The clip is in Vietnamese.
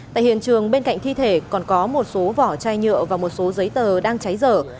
tại hiện trường bên cạnh thi thể còn có một số vỏ chai nhựa và một số giấy tờ đang cháy dở